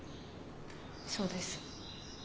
そうです。